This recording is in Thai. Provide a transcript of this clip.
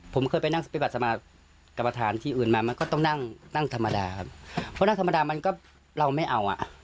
ผมเคยไปนั่งปฏิบัติสมากรรมฐานที่อื่นมามันก็ต้องนั่งนั่งธรรมดาครับเพราะนั่งธรรมดามันก็เราไม่เอาอ่ะ